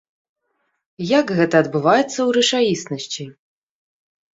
Як гэта адбываецца ў рэчаіснасці?